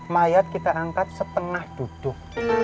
mayat kita angkat setengah duduk